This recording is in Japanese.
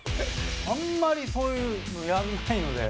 あんまりそういうのやんないので。